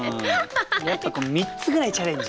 やっぱこう３つぐらいチャレンジ。